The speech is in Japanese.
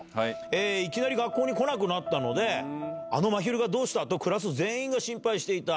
いきなり学校に来なくなったので、あのまひるがどうした？とクラス全員が心配していた。